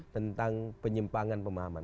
tentang penyempangan pemahaman